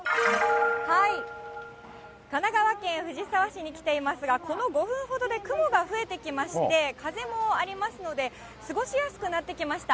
神奈川県藤沢市に来ていますが、この５分ほどで雲が増えてきまして、風もありますので、過ごしやすくなってきました。